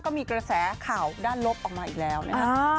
ก็มีกระแสข่าวด้านลบออกมาอีกแล้วนะครับ